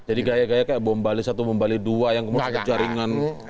jadi gaya gaya kayak bom bali satu bom bali dua yang kemudian ke jawa